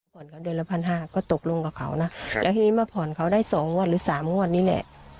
ผ่อนเขาเดือนละพันห้าก็ตกลงกับเขานะแล้วทีนี้มาผ่อนเขาได้สองงวดหรือสามงวดนี้แหละ